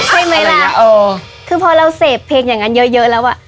ใช่มั้ยล่ะคือพอเราเสพเพลงอย่างงั้นเยอะแล้วอะ